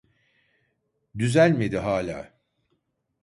Düzelmedi hala